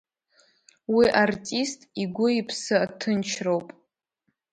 Уи артист игәы-иԥсы аҭынчроуп.